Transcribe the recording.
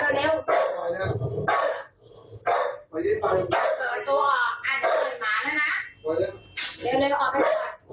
เดี๋ยวหน่อยก็ออกให้ดีกว่า